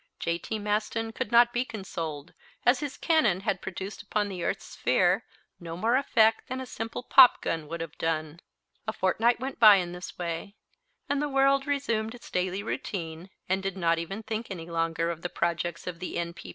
J.T. Maston could not be consoled, as his cannon had produced upon the earth's sphere no more effect than a simple popgun would have done. A fortnight went by in this way, and the world resumed its daily routine and did not even think any longer of the projects of the N.